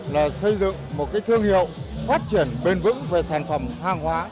là xây dựng một thương hiệu phát triển bền vững về sản phẩm hàng hóa